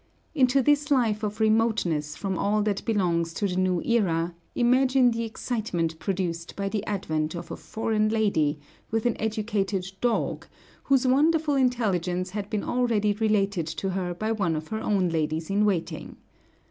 Into this life of remoteness from all that belongs to the new era, imagine the excitement produced by the advent of a foreign lady, with an educated dog, whose wonderful intelligence had been already related to her by one of her own ladies in waiting.